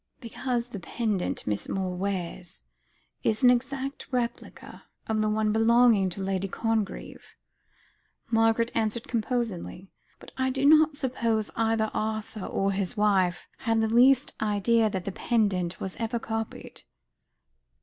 "Because the pendant Miss Moore wears, is an exact replica of the one belonging to Lady Congreve," Margaret answered composedly; "but I do not suppose either Arthur or his wife have the least idea that the pendant was ever copied."